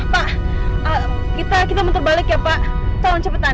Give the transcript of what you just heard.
pak kita kita bentar balik ya pak tolong cepetan